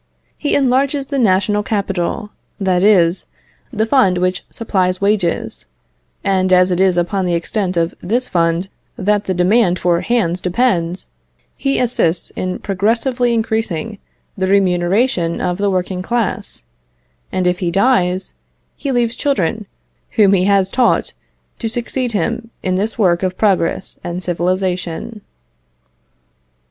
He enlarges the national capital, that is, the fund which supplies wages, and as it is upon the extent of this fund that the demand for hands depends, he assists in progressively increasing the remuneration of the working class; and if he dies, he leaves children whom he has taught to succeed him in this work of progress and civilization.